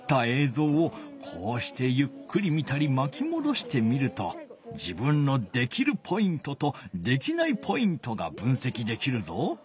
ぞうをこうしてゆっくり見たりまきもどして見ると自分のできるポイントとできないポイントが分せきできるぞ。